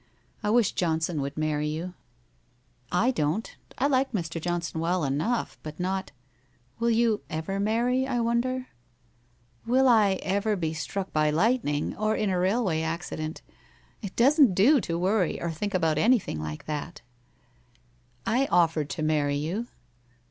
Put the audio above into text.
I wish Johnson would marry you?' ' I don't. I like Mr. Johnson well enough, hut not '' Will you ever marry, I wonder ?'< Will I ever be struck by lightning, or in a railway acci dent? It doesn't do to worry or think of anything like that' ' I offered to marry yon.'